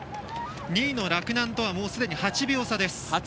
２位の洛南とはすでに８秒差です。